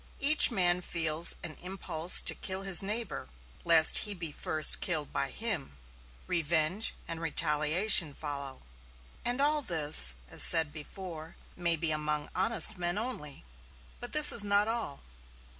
Each man feels an impulse to kill his neighbor, lest he be first killed by him. Revenge and retaliation follow. And all this, as before said, may be among honest men only. But this is not all.